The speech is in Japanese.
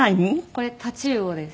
これタチウオです。